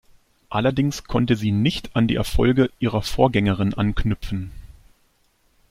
Allerdings konnte sie nicht an die Erfolge ihrer Vorgängerin anknüpfen.